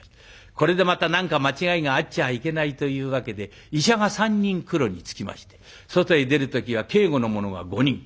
これでまた何か間違いがあっちゃいけないというわけで医者が３人クロにつきまして外へ出る時は警護の者が５人。